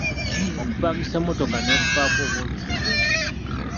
Okupangisa emmotoka n’ekufaako oba oluguddemu.